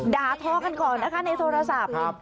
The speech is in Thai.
ด่าทอกันก่อนนะคะในโทรศัพท์